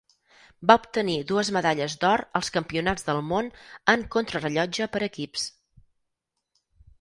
Va obtenir dues medalles d'or als Campionats del Món en contrarellotge per equips.